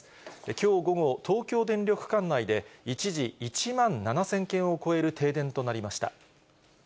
きょう午後、東京電力管内で、一時、１万７０００軒を超える停電となりました。